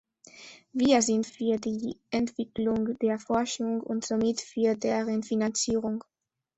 Wir sind für die Entwicklung der Forschung und somit für deren Finanzierung.